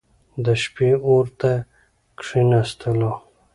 د شپې اور ته کښېنستلو.